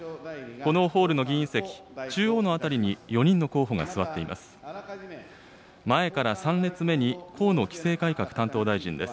このホールの議員席、中央の辺りに４人の候補が座っています。